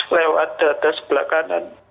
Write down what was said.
lewat dada sebelah kanan